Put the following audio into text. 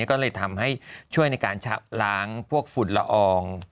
ก็เลยทำให้ช่วยในการล้างพวกฝุ่นละออง